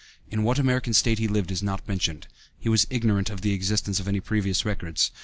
In what American State he lived is not mentioned. He was ignorant of the existence of any previous records.